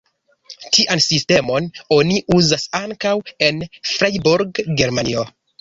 Tian sistemon oni uzas ankaŭ en Freiburg, Germanio.